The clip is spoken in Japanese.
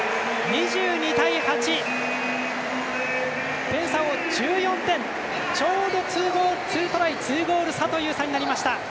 ２２対８点差を１４点、ちょうど２トライ２ゴール差となりました。